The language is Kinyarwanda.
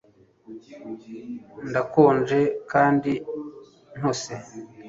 ndakonje kandi ntose